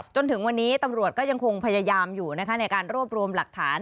จนถึงวันนี้ตำรวจก็ยังคงพยายามอยู่ในการรวบรวมหลักฐาน